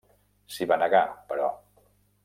S'hi va negar, però.